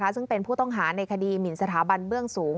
ซึ่งเป็นผู้ต้องหาในคดีหมินสถาบันเบื้องสูง